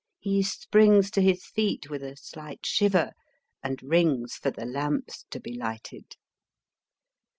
He springs to his feet with a slight shiver, and rings for the lamps to be lighted.